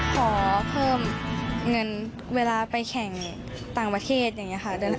ขอเพิ่มเงินเวลาไปแข่งต่างประเทศอย่างนี้ค่ะ